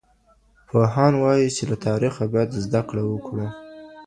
پوهان وايي چي له تاريخه بايد زده کړه وکړو.